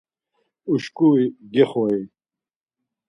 Uşkuri gexori.